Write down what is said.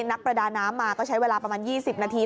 นักประดาน้ำมาก็ใช้เวลาประมาณ๒๐นาที